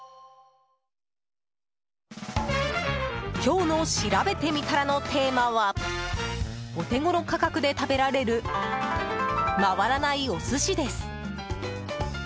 今日のしらべてみたらのテーマはお手ごろ価格で食べられる回らないお寿司です。